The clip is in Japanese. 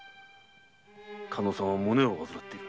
加納さんは胸を患っている。